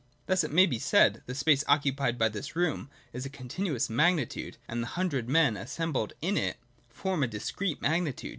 Thus, it may be said, the space occupied by this room is a continuous magnitude, and the hundred men, assembled in it, form a discrete magnitude.